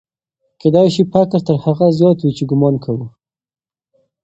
کېدای سي فقر تر هغه زیات وي چې ګومان کوو.